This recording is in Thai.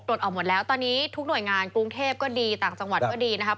ออกหมดแล้วตอนนี้ทุกหน่วยงานกรุงเทพก็ดีต่างจังหวัดก็ดีนะครับ